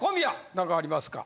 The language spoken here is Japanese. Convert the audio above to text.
何かありますか？